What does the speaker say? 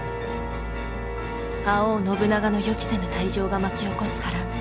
覇王信長の予期せぬ退場が巻き起こす波乱。